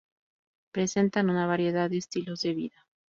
Presentan una variedad de estilos de vida.